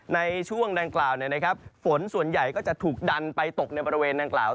ในช่วงดังกล่าวฝนส่วนใหญ่ก็จะถูกดันไปตกในบริเวณดังกล่าว